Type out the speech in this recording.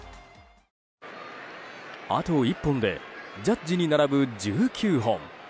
あと１本でジャッジに並ぶ１９本。